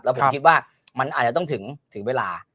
ผมคิดว่ามันอาจจะต้องถึงเวลา